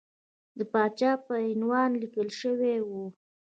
د پاچا په عنوان لیکل شوی وو.